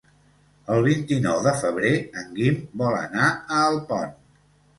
El vint-i-nou de febrer en Guim vol anar a Alpont.